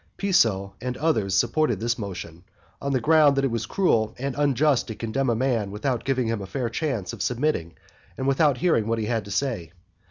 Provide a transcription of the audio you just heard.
Piso and others supported this motion, on the ground that it was cruel and unjust to condemn a man without giving him a fair chance of submitting, and without hearing what he had to say.